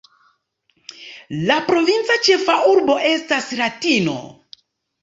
La provinca ĉefurbo estas Latino.